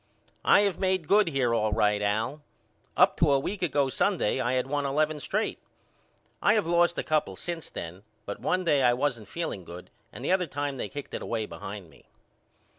I have made good here all right Al. Up to a week ago Sunday I had won eleven straight. I have lost a couple since then, but one day I wasn't feeling good and the other time they kicked it away behind me.